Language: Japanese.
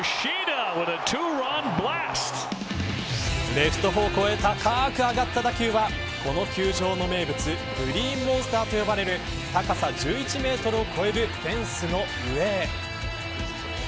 レフト方向へ高く上がった打球はこの球場の名物グリーンモンスターと呼ばれる高さ１１メートルを超えるフェンスの上へ。